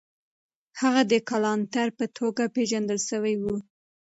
هغه د کلانتر په توګه پېژندل سوی و.